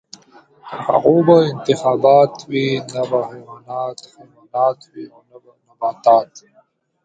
تر هغو به نه انتخابات وي، نه به حیوانات حیوانات وي او نه نباتات.